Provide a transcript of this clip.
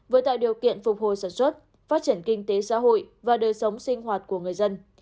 vừa tạo điều kiện phục hồi sản xuất phát triển kinh tế xã hội và đời sống sinh hoạt của người dân